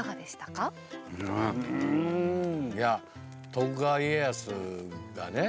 徳川家康がね